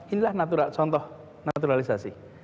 inilah contoh naturalisasi